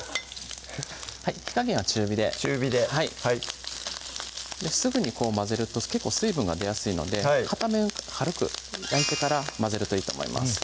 火加減は中火で中火ですぐに混ぜると結構水分が出やすいので片面軽く焼いてから混ぜるといいと思います